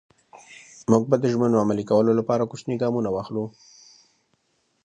موږ به د ژمنو عملي کولو لپاره کوچني ګامونه واخلو.